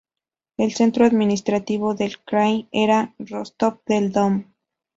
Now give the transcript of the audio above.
El centro administrativo del "krai" era Rostov del Don.